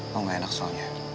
mau gak enak soalnya